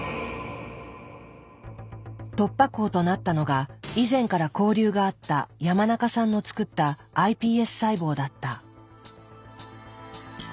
突破口となったのが以前から交流があった山中さんの作ったｉＰＳ細胞だった。